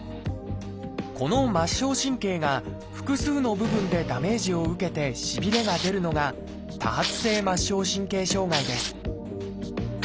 この末梢神経が複数の部分でダメージを受けてしびれが出るのが「多発性末梢神経障害」です